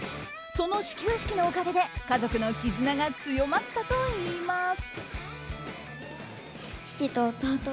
その始球式のおかげで家族の絆が強まったといいます。